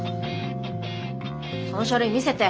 その書類見せて。